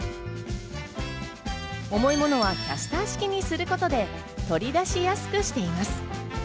重いものはキャスター式にすることで取り出しやすくしています。